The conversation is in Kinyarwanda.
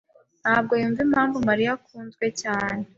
ntabwo yumva impamvu Mariya akunzwe cyane.